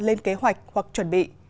lên kế hoạch hoặc chuẩn bị